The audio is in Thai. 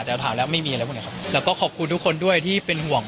แต่ถามแล้วไม่มีอะไรพวกเนี้ยครับแล้วก็ขอบคุณทุกคนด้วยที่เป็นห่วง